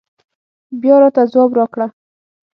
بيا راته ځواب راکړه